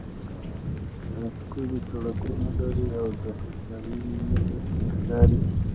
ښکلي سړکونه لري او د هوساینې نښې پکې ښکاري.